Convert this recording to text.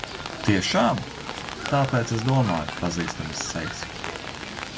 Tiešām! Tāpēc es domāju pazīstamas sejas.